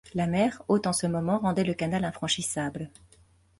La mer, haute en ce moment, rendait le canal infranchissable.